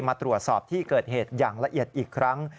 มาตรวจสอบที่เกิดเหตุอย่างละเอียดอีกครั้ง